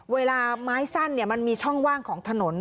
เวลาไม้สั้นมันมีช่องว่างของถนน